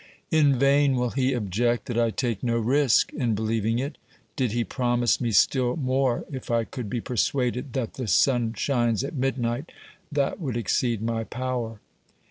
In vain will he object that I take no risk in believing it. Did he promise me still more if I could be persuaded that the sun shines at midnight, that would exceed my power.